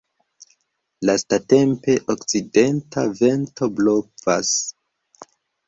Lastatempe okcidenta vento blovas.